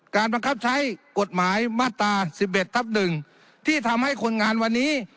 การประคับใช้กฎหมายมาตราสิบเอ็ดทับหนึ่งที่ทำให้คนงานวันนี้